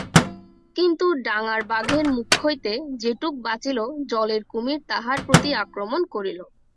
কিন্তু ডাঙার বাঘের মুখ হইতে যেটুকু বাঁচিল জলের কুমির তাহার প্রতি আক্রমণ করিল।